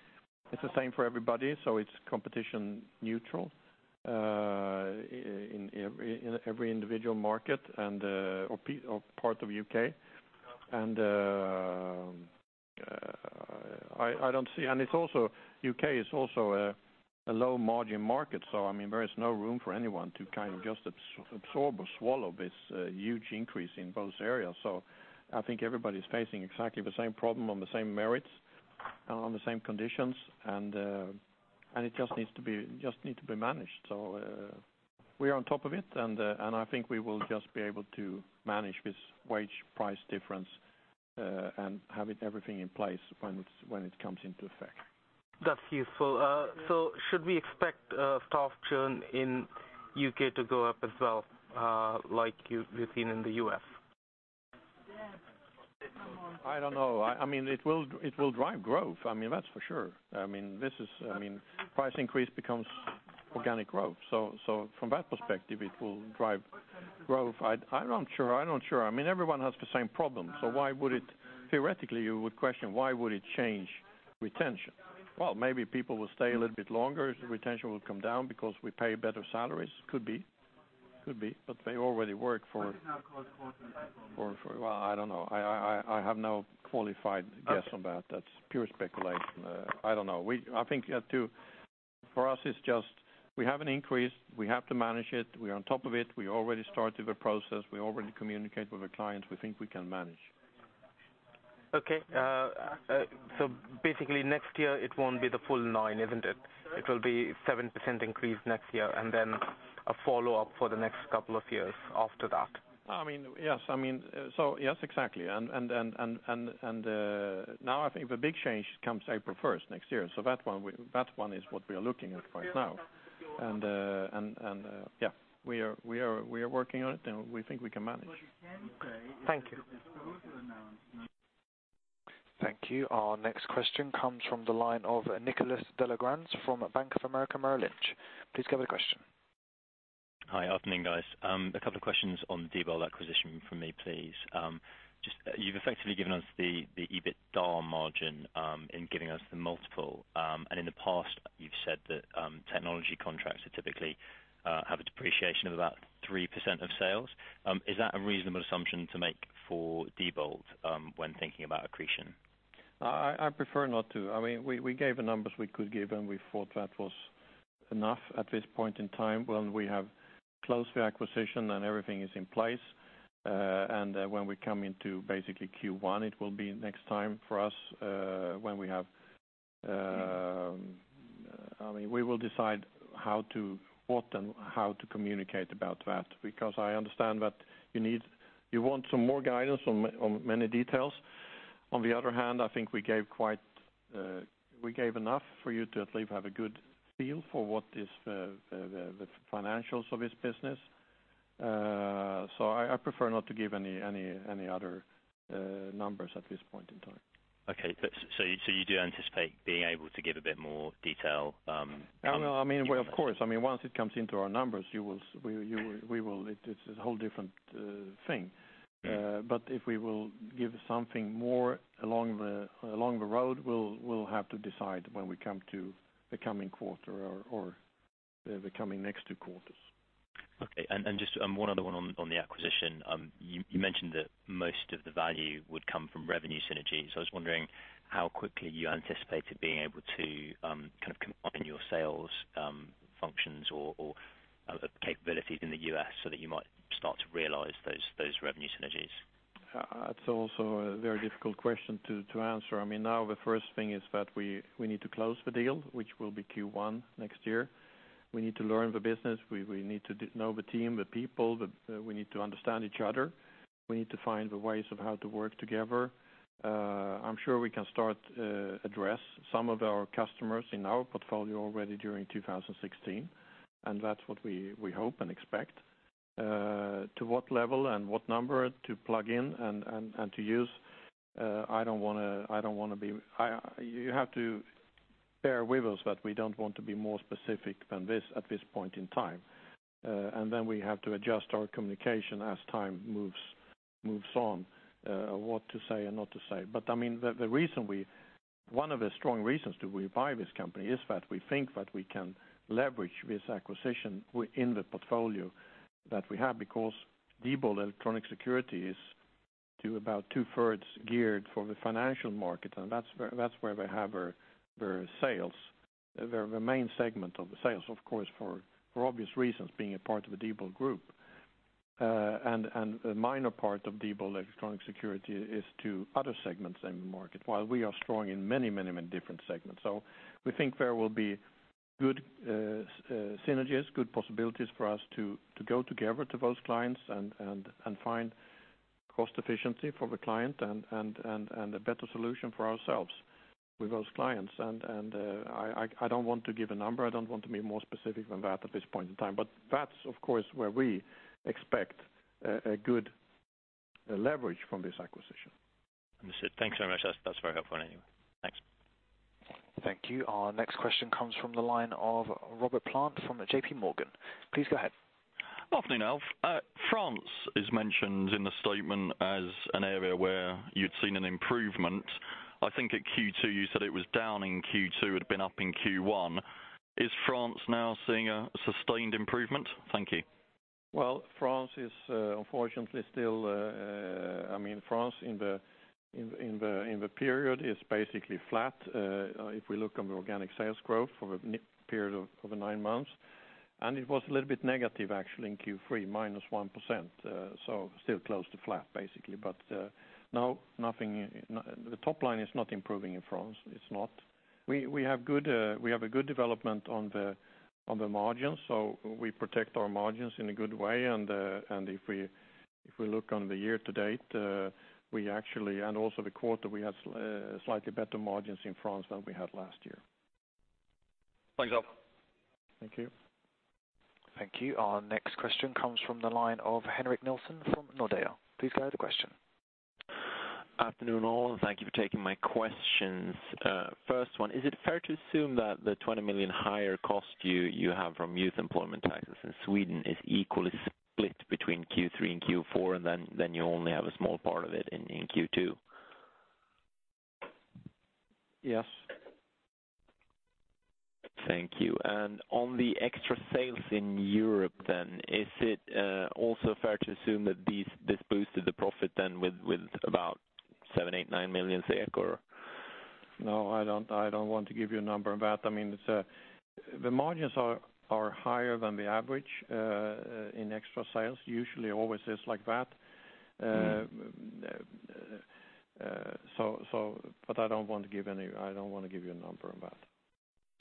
Speaker 1: It's the same for everybody so it's competition neutral in every individual market and or part of the UK. And I don't see, and it's also the U.K. is also a low-margin market, so I mean there is no room for anyone to kind of just absorb or swallow this huge increase in both areas. So I think everybody is facing exactly the same problem on the same merits and on the same conditions, and it just needs to be managed. So we are on top of it, and I think we will just be able to manage this wage-price difference and have everything in place when it comes into effect.
Speaker 5: That's useful. So should we expect staff churn in the U.K. to go up as well like we've seen in the U.S.?
Speaker 1: I don't know. I mean it will drive growth. I mean that's for sure. I mean this is I mean price increase becomes organic growth. So from that perspective it will drive growth. I'm not sure. I'm not sure. I mean everyone has the same problem. So why would it theoretically you would question why would it change retention? Well maybe people will stay a little bit longer. Retention will come down because we pay better salaries. Could be. Could be. But they already work for. Well I don't know. I have no qualified guess on that. That's pure speculation. I don't know. I think too for us it's just we have an increase. We have to manage it. We are on top of it. We already started the process. We already communicate with the clients. We think we can manage.
Speaker 5: Okay. Basically next year it won't be the full nine, isn't it? It will be 7% increase next year and then a follow up for the next couple of years after that.
Speaker 1: I mean yes. I mean so yes exactly. And now I think the big change comes April first next year. So that one is what we are looking at right now. And yeah we are working on it and we think we can manage.
Speaker 5: Thank you.
Speaker 2: Thank you. Our next question comes from the line of Nicholas de la Grense from Bank of America Merrill Lynch. Please go with the question.
Speaker 6: Hi, afternoon, guys. A couple of questions on the Diebold acquisition from me, please. You've effectively given us the EBITDA margin in giving us the multiple, and in the past you've said that technology contracts typically have a depreciation of about 3% of sales. Is that a reasonable assumption to make for Diebold when thinking about accretion?
Speaker 1: I prefer not to. I mean, we gave the numbers we could give and we thought that was enough at this point in time when we have closed the acquisition and everything is in place. And when we come into basically Q1, it will be next time for us when we have, I mean, we will decide how to what and how to communicate about that because I understand that you need, you want some more guidance on many details. On the other hand, I think we gave quite, we gave enough for you to at least have a good feel for what is the financials of this business. So I prefer not to give any other numbers at this point in time.
Speaker 6: Okay. So you do anticipate being able to give a bit more detail.
Speaker 1: I mean, of course. I mean, once it comes into our numbers, you will we will, it's a whole different thing. But if we will give something more along the road, we'll have to decide when we come to the coming quarter or the coming next two quarters.
Speaker 6: Okay. And just one other one on the acquisition. You mentioned that most of the value would come from revenue synergy. So I was wondering how quickly you anticipated being able to kind of combine your sales functions or capabilities in the U.S. so that you might start to realize those revenue synergies?
Speaker 1: That's also a very difficult question to answer. I mean now the first thing is that we need to close the deal which will be Q1 next year. We need to learn the business. We need to know the team the people. We need to understand each other. We need to find the ways of how to work together. I'm sure we can start address some of our customers in our portfolio already during 2016 and that's what we hope and expect. To what level and what number to plug in and to use I don't want to I don't want to be you have to bear with us that we don't want to be more specific than this at this point in time. And then we have to adjust our communication as time moves on what to say and not to say.
Speaker 6: But I mean the reason we one of the strong reasons to revive this company is that we think that we can leverage this acquisition in the portfolio that we have because Diebold Electronic Security is to about two thirds geared for the financial market and that's where we have our sales the main segment of the sales of course for obvious reasons being a part of a Diebold group. And a minor part of Diebold Electronic Security is to other segments in the market while we are strong in many many many different segments. So we think there will be good synergies good possibilities for us to go together to those clients and find cost efficiency for the client and a better solution for ourselves with those clients. And I don't want to give a number.
Speaker 1: I don't want to be more specific than that at this point in time. But that's of course where we expect a good leverage from this acquisition.
Speaker 6: Thanks very much. That's very helpful anyway. Thanks.
Speaker 2: Thank you. Our next question comes from the line of Robert Plant from J.P. Morgan. Please go ahead.
Speaker 7: Afternoon Alf. France is mentioned in the statement as an area where you'd seen an improvement. I think at Q2 you said it was down in Q2 had been up in Q1. Is France now seeing a sustained improvement? Thank you.
Speaker 1: Well, France is unfortunately still—I mean, France in the period is basically flat if we look on the organic sales growth for a period of nine months. And it was a little bit negative actually in Q3 minus 1%. So still close to flat basically. But now nothing the top line is not improving in France. It's not. We have good we have a good development on the margins so we protect our margins in a good way. And if we look on the year-to-date we actually and also the quarter we had slightly better margins in France than we had last year.
Speaker 7: Thanks Alf.
Speaker 1: Thank you.
Speaker 2: Thank you. Our next question comes from the line of Henrik Nielsen from Nordea. Please go with the question.
Speaker 8: Afternoon all and thank you for taking my questions. First one is it fair to assume that the 20 million higher cost you have from youth employment taxes in Sweden is equally split between Q3 and Q4 and then you only have a small part of it in Q2?
Speaker 1: Yes.
Speaker 8: Thank you. And on the extra sales in Europe, then is it also fair to assume that this boosted the profit then with about 7-9 million SEK or?
Speaker 1: No, I don't want to give you a number on that. I mean, the margins are higher than the average in extra sales. Usually always is like that. So, but I don't want to give any. I don't want to give you a number on that.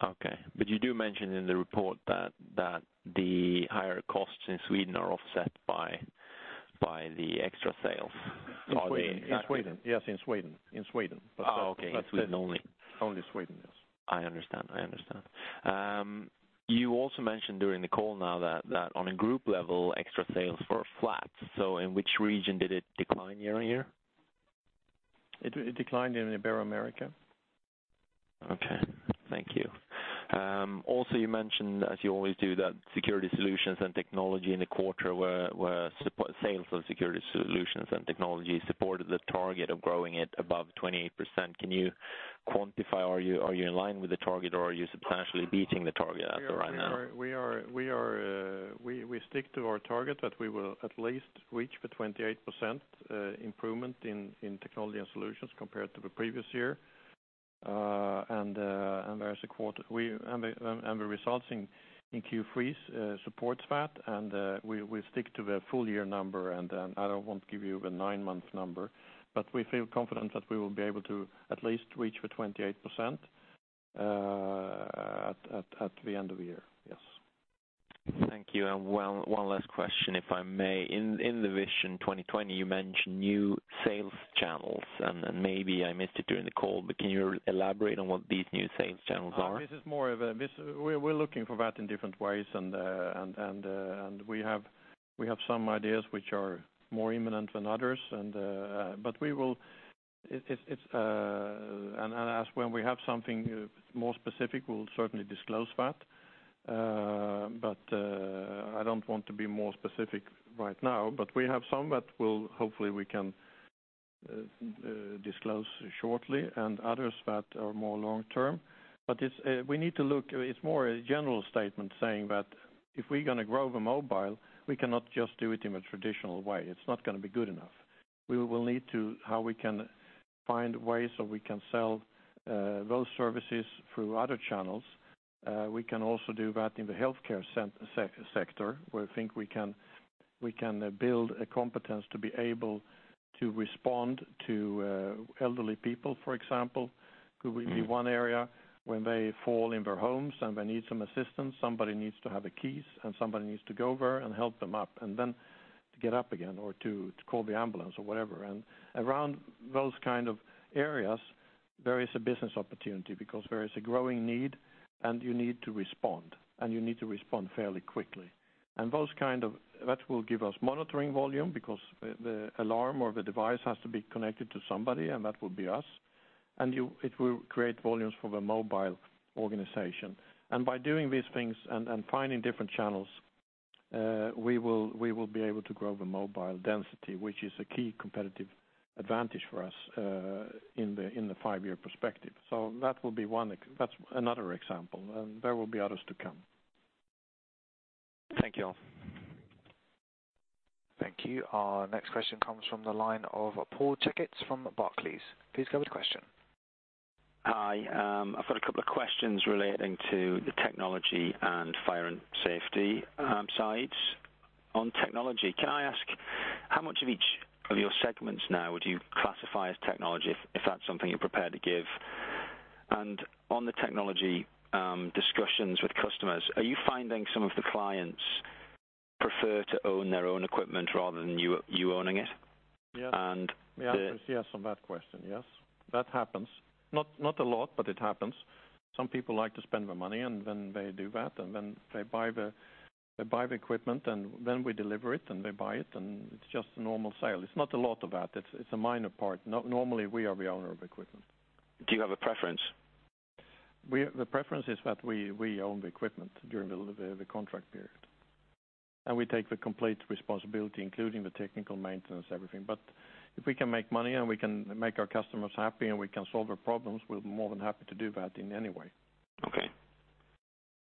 Speaker 8: Okay. But you do mention in the report that the higher costs in Sweden are offset by the extra sales.
Speaker 1: In Sweden. Yes in Sweden. In Sweden.
Speaker 8: Okay. Sweden only.
Speaker 1: Only Sweden, yes.
Speaker 8: I understand. I understand. You also mentioned during the call now that on a group level extra sales were flat. So in which region did it decline year-on-year?
Speaker 1: It declined in North America.
Speaker 8: Okay. Thank you. Also you mentioned as you always do that security solutions and technology in the quarter were sales of security solutions and technology supported the target of growing it above 28%. Can you quantify? Are you in line with the target or are you substantially beating the target as of right now?
Speaker 1: We stick to our target that we will at least reach the 28% improvement in technology and solutions compared to the previous year. There’s a quarter and the results in Q3 support that and we stick to the full year number and I don’t want to give you the nine-month number. But we feel confident that we will be able to at least reach the 28% at the end of the year. Yes.
Speaker 8: Thank you. One last question if I may. In the Vision 2020 you mentioned new sales channels and maybe I missed it during the call but can you elaborate on what these new sales channels are?
Speaker 1: This is more of a, we're looking for that in different ways and we have some ideas which are more imminent than others and but we will it's and as when we have something more specific we'll certainly disclose that. But I don't want to be more specific right now. But we have some that will hopefully we can disclose shortly and others that are more long term. But we need to look. It's more a general statement saying that if we're going to grow the mobile we cannot just do it in a traditional way. It's not going to be good enough. We will need to how we can find ways so we can sell those services through other channels. We can also do that in the healthcare sector, where I think we can build a competence to be able to respond to elderly people. For example could be one area when they fall in their homes and they need some assistance. Somebody needs to have the keys and somebody needs to go there and help them up and then to get up again or to call the ambulance or whatever. Around those kind of areas there is a business opportunity because there is a growing need and you need to respond and you need to respond fairly quickly. Those kind of that will give us monitoring volume because the alarm or the device has to be connected to somebody and that will be us. It will create volumes for the mobile organization. By doing these things and finding different channels we will be able to grow the mobile density which is a key competitive advantage for us in the five year perspective. That will be one that's another example and there will be others to come.
Speaker 2: Thank you, Alf. Thank you. Our next question comes from the line of Paul Checketts from Barclays. Please go with the question.
Speaker 9: Hi. I've got a couple of questions relating to the technology and fire and safety sides. On technology, can I ask how much of each of your segments now would you classify as technology if that's something you're prepared to give? And on the technology discussions with customers, are you finding some of the clients prefer to own their own equipment rather than you owning it?
Speaker 1: Yes. Yes on that question. Yes. That happens. Not a lot but it happens. Some people like to spend their money and then they do that and then they buy the equipment and then we deliver it and they buy it and it's just a normal sale. It's not a lot of that. It's a minor part. Normally we are the owner of equipment.
Speaker 9: Do you have a preference?
Speaker 1: The preference is that we own the equipment during the contract period and we take the complete responsibility including the technical maintenance everything. But if we can make money and we can make our customers happy and we can solve their problems we're more than happy to do that in any way.
Speaker 9: Okay.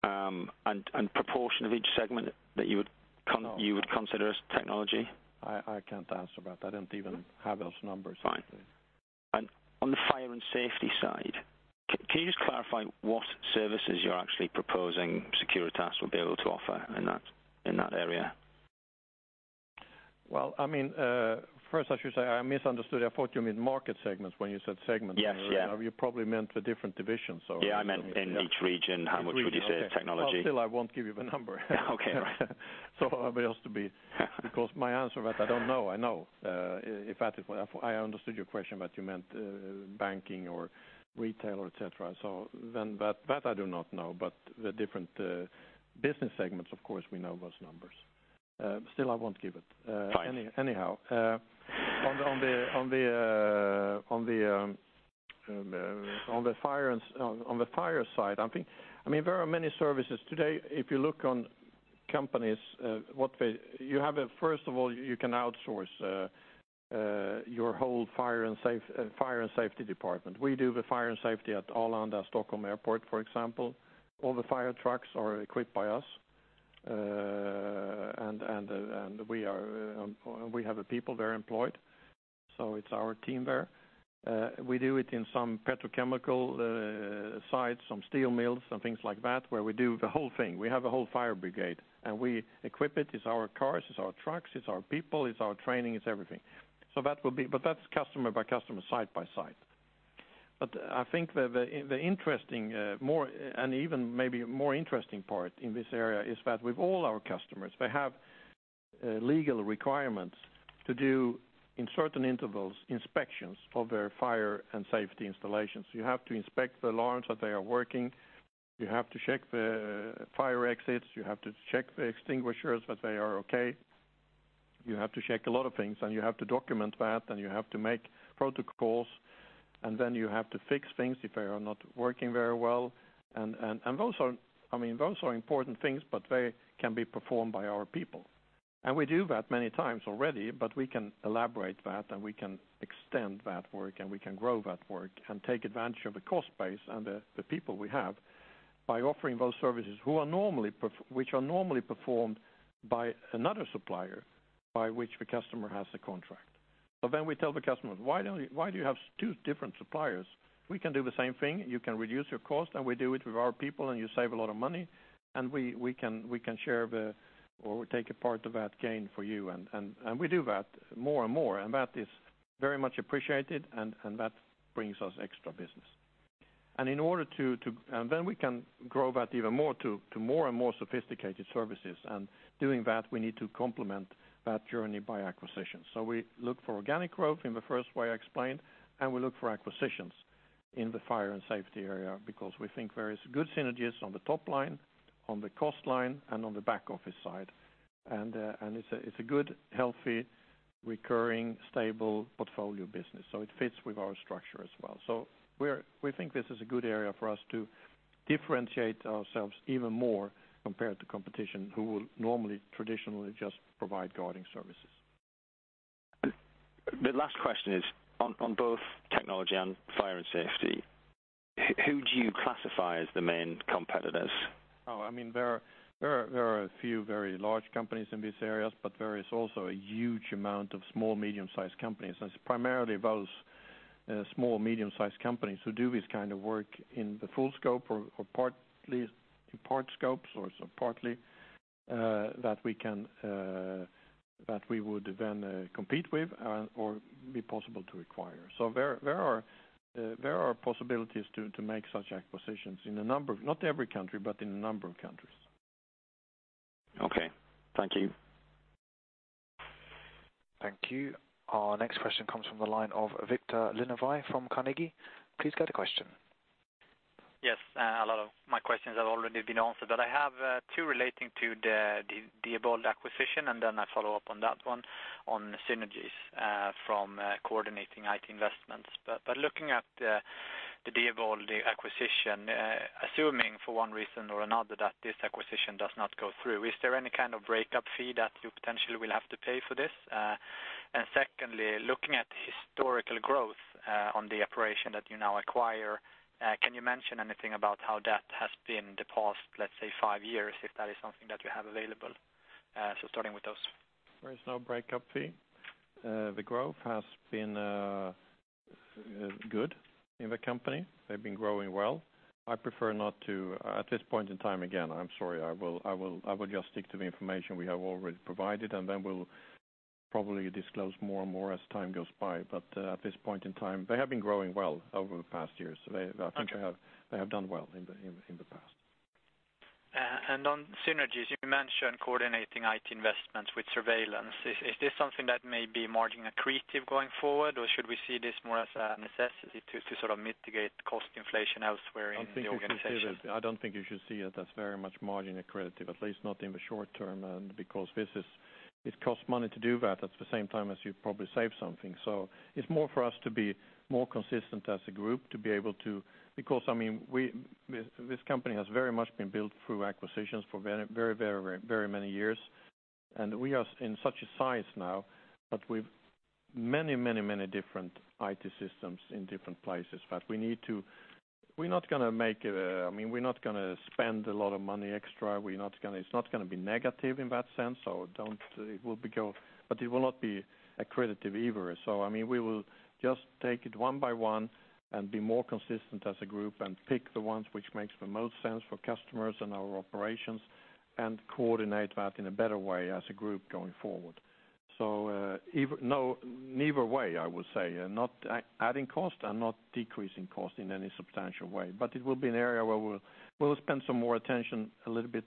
Speaker 9: And proportion of each segment that you would consider as technology?
Speaker 1: I can't answer that. I don't even have those numbers.
Speaker 9: Fine. On the fire and safety side can you just clarify what services you're actually proposing Securitas will be able to offer in that area?
Speaker 1: Well, I mean, first I should say I misunderstood. I thought you meant market segments when you said segments. You probably meant a different division, so.
Speaker 9: Yeah, I meant in each region, how much would you say technology.
Speaker 1: Still I won't give you the number.
Speaker 9: Okay. Right.
Speaker 1: So it has to be because my answer that I don't know. I know in fact I understood your question but you meant banking or retail or et cetera. So then that I do not know. But the different business segments of course we know those numbers. Still I won't give it. Anyhow on the fire and on the fire side I think I mean there are many services today if you look on companies what they you have a first of all you can outsource your whole fire and safety department. We do the fire and safety at Stockholm Arlanda Airport for example. All the fire trucks are equipped by us and we are and we have the people there employed so it's our team there. We do it in some petrochemical sites some steel mills and things like that where we do the whole thing. We have a whole fire brigade and we equip it. It's our cars, it's our trucks, it's our people, it's our training, it's everything. So that will be, but that's customer by customer, side by side. But I think the interesting more and even maybe more interesting part in this area is that with all our customers, they have legal requirements to do, in certain intervals, inspections of their fire and safety installations. You have to inspect the alarms that they are working. You have to check the fire exits. You have to check the extinguishers that they are okay. You have to check a lot of things and you have to document that and you have to make protocols and then you have to fix things if they are not working very well. Those are, I mean, those are important things, but they can be performed by our people. We do that many times already, but we can elaborate that and we can extend that work and we can grow that work and take advantage of the cost base and the people we have by offering those services which are normally performed by another supplier by which the customer has a contract. So then we tell the customers, why do you have two different suppliers? We can do the same thing. You can reduce your cost, and we do it with our people, and you save a lot of money, and we can share or take a part of that gain for you. We do that more and more, and that is very much appreciated, and that brings us extra business. In order to do that, then we can grow that even more to more and more sophisticated services. In doing that, we need to complement that journey by acquisitions. So we look for organic growth in the first way I explained and we look for acquisitions in the fire and safety area because we think there is good synergies on the top line on the cost line and on the back office side. And it's a good healthy recurring stable portfolio business so it fits with our structure as well. So we think this is a good area for us to differentiate ourselves even more compared to competition who will normally traditionally just provide guarding services.
Speaker 9: The last question is on both technology and fire and safety. Who do you classify as the main competitors?
Speaker 1: Oh, I mean, there are a few very large companies in these areas, but there is also a huge amount of small medium sized companies. It's primarily those small medium sized companies who do this kind of work in the full scope or partly in part scopes or partly that we can that we would then compete with or be possible to acquire. There are possibilities to make such acquisitions in a number of not every country but in a number of countries.
Speaker 9: Okay. Thank you.
Speaker 2: Thank you. Our next question comes from the line of Viktor Lindeberg from Carnegie. Please go to the question.
Speaker 10: Yes. A lot of my questions have already been answered, but I have two relating to the Diebold acquisition and then I follow up on that one on synergies from coordinating IT investments. But looking at the Diebold acquisition, assuming for one reason or another that this acquisition does not go through, is there any kind of breakup fee that you potentially will have to pay for this? And secondly, looking at historical growth on the operation that you now acquire, can you mention anything about how that has been the past, let's say five years, if that is something that you have available? So starting with those.
Speaker 1: There is no breakup fee. The growth has been good in the company. They've been growing well. I prefer not to at this point in time. Again, I'm sorry. I will just stick to the information we have already provided, and then we'll probably disclose more and more as time goes by. But at this point in time they have been growing well over the past years. I think they have done well in the past.
Speaker 10: On synergies you mentioned coordinating IT investments with surveillance. Is this something that may be margin accretive going forward or should we see this more as a necessity to sort of mitigate cost inflation elsewhere in the organization?
Speaker 1: I don't think you should see it as very much margin accretive, at least not in the short term, because this is it costs money to do that at the same time as you probably save something. So it's more for us to be more consistent as a group to be able to, because I mean this company has very much been built through acquisitions for very very very many years and we are in such a size now but with many many many different IT systems in different places that we need to. We're not going to make, I mean, we're not going to spend a lot of money extra. We're not going to. It's not going to be negative in that sense, so don't. It will be good but it will not be accretive either. So I mean we will just take it one by one and be more consistent as a group and pick the ones which makes the most sense for customers and our operations and coordinate that in a better way as a group going forward. So neither way I would say not adding cost and not decreasing cost in any substantial way. But it will be an area where we'll spend some more attention a little bit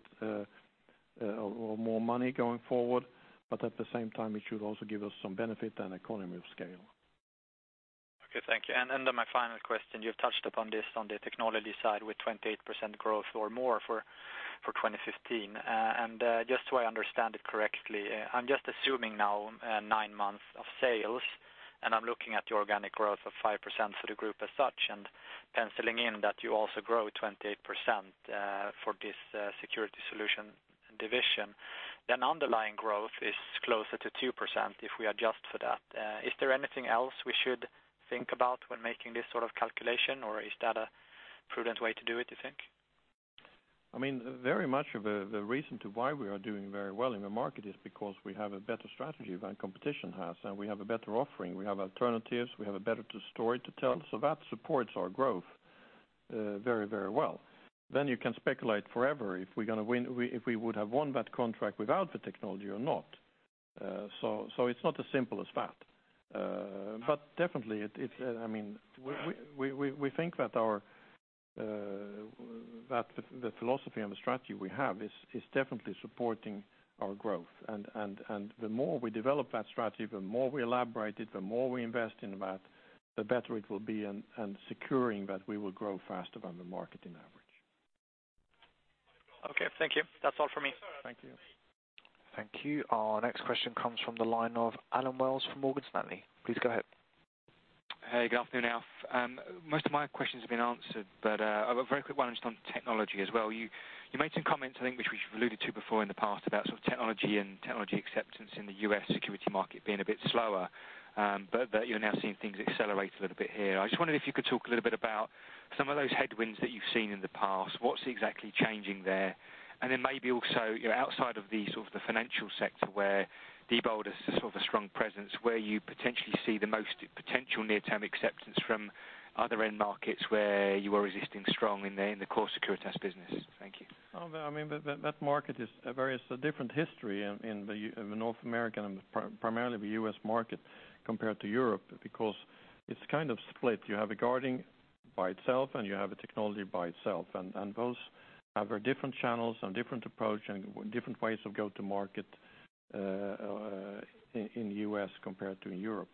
Speaker 1: or more money going forward but at the same time it should also give us some benefit and economy of scale.
Speaker 10: Okay. Thank you. And my final question you've touched upon this on the technology side with 28% growth or more for 2015. And just so I understand it correctly I'm just assuming now 9 months of sales and I'm looking at the organic growth of 5% for the group as such and penciling in that you also grow 28% for this security solution division. Then underlying growth is closer to 2% if we adjust for that. Is there anything else we should think about when making this sort of calculation or is that a prudent way to do it do you think?
Speaker 1: I mean very much of the reason to why we are doing very well in the market is because we have a better strategy than competition has and we have a better offering. We have alternatives. We have a better story to tell. So that supports our growth very very well. Then you can speculate forever if we're going to win if we would have won that contract without the technology or not. So it's not as simple as that. But definitely it's I mean we think that our that the philosophy and the strategy we have is definitely supporting our growth. And the more we develop that strategy the more we elaborate it the more we invest in that the better it will be and securing that we will grow faster than the market in average.
Speaker 10: Okay. Thank you. That's all for me.
Speaker 1: Thank you.
Speaker 2: Thank you. Our next question comes from the line of Alan Wells from Morgan Stanley. Please go ahead.
Speaker 11: Hey. Good afternoon Alf. Most of my questions have been answered, but a very quick one just on technology as well. You made some comments I think which we've alluded to before in the past about sort of technology and technology acceptance in the U.S. security market being a bit slower, but that you're now seeing things accelerate a little bit here. I just wondered if you could talk a little bit about some of those headwinds that you've seen in the past. What's exactly changing there? Maybe also outside of the sort of the financial sector where the Diebold is sort of a strong presence, where you potentially see the most potential near term acceptance from other end markets where you are resisting strong in the core Securitas business. Thank you.
Speaker 1: I mean that market is a very different history in North America and primarily the U.S. market compared to Europe because it's kind of split. You have a guarding by itself and you have a technology by itself. And those have very different channels and different approach and different ways of go to market in the U.S. compared to Europe.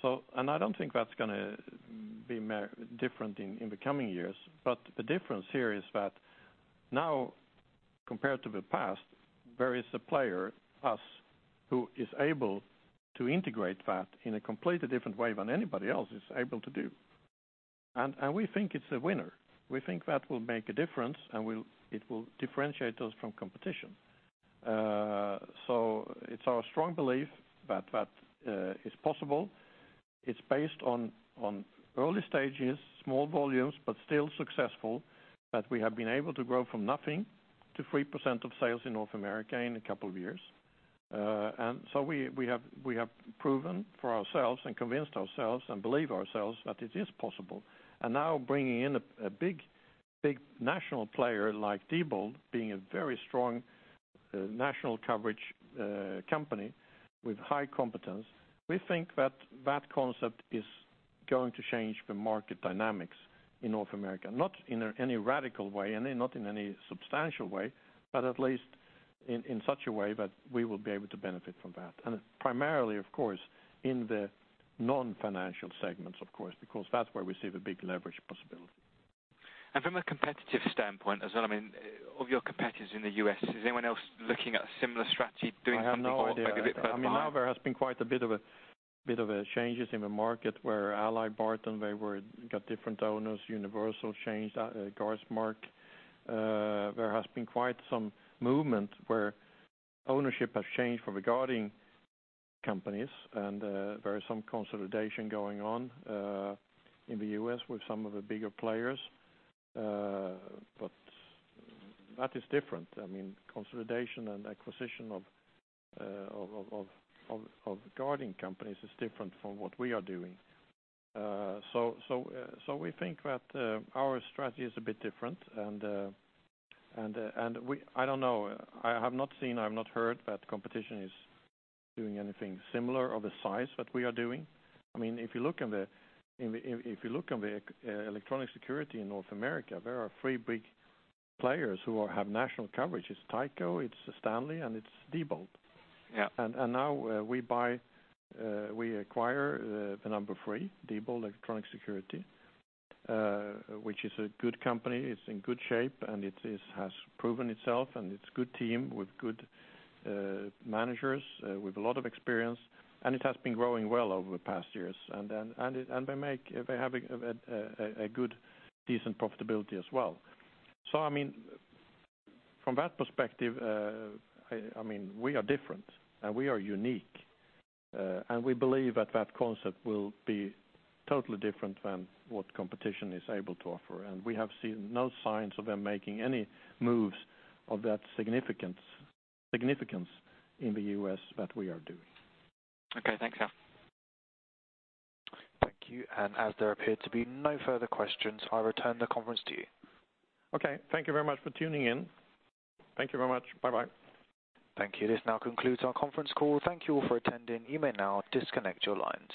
Speaker 1: So and I don't think that's going to be different in the coming years but the difference here is that now compared to the past there is a player, us, who is able to integrate that in a completely different way than anybody else is able to do. And we think it's a winner. We think that will make a difference and it will differentiate us from competition. So it's our strong belief that that is possible. It's based on early stages, small volumes, but still successful that we have been able to grow from nothing to 3% of sales in North America in a couple of years. And so we have proven for ourselves and convinced ourselves and believe ourselves that it is possible. And now, bringing in a big national player like AlliedBarton being a very strong national coverage company with high competence, we think that that concept is going to change the market dynamics in North America, not in any radical way and not in any substantial way, but at least in such a way that we will be able to benefit from that and primarily, of course, in the non-financial segments, of course, because that's where we see the big leverage possibility.
Speaker 11: From a competitive standpoint as well, I mean, of your competitors in the US, is anyone else looking at a similar strategy, doing something or maybe a bit further?
Speaker 1: I mean now there has been quite a bit of a bit of a changes in the market where AlliedBarton they were got different owners. Universal changed Guardsmark. There has been quite some movement where ownership has changed for guarding companies and there is some consolidation going on in the U.S. with some of the bigger players. But that is different. I mean consolidation and acquisition of guarding companies is different from what we are doing. So we think that our strategy is a bit different and I don't know I have not seen I have not heard that competition is doing anything similar of the size that we are doing. I mean if you look in the if you look on the electronic security in North America there are three big players who have national coverage. It’s Tyco, it’s Stanley, and it’s Diebold. Now we buy we acquire the number three, the Diebold Electronic Security, which is a good company. It's in good shape and it has proven itself and it's good team with good managers with a lot of experience and it has been growing well over the past years. They make they have a good decent profitability as well. So I mean from that perspective I mean we are different and we are unique and we believe that that concept will be totally different than what competition is able to offer. We have seen no signs of them making any moves of that significance in the U.S. that we are doing.
Speaker 11: Okay. Thanks Alf. Thank you. As there appeared to be no further questions, I return the conference to you.
Speaker 1: Okay. Thank you very much for tuning in. Thank you very much. Bye bye.
Speaker 2: Thank you. This now concludes our conference call. Thank you all for attending. You may now disconnect your lines.